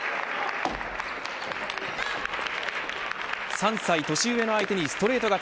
３歳年上の相手にストレート勝ち。